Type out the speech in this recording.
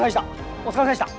お疲れさまでした。